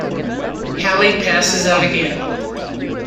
Hallie passes out again.